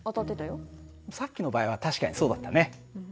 さっきの場合は確かにそうだったね。